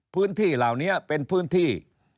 พื้นที่เหล่านี้เป็นพื้นที่